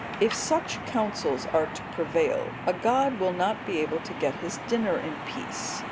If such counsels are to prevail a god will not be able to get his dinner in peace.